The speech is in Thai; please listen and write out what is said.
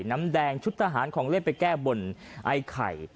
น้ำแดงชุดทหารของเล่นไปแก้บนไอ้ไข่